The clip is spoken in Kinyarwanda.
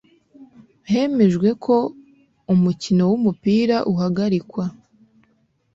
Hemejwe ko umukino wumupira uhagarikwa